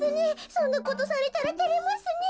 そんなことされたらてれますねえ。